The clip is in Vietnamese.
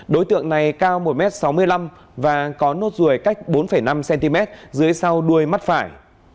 đối tượng này cao một m sáu mươi năm và có nốt ruồi cách bốn năm cm dưới sau đuôi mắt phải